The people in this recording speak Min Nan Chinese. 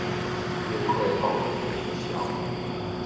凝血功能異常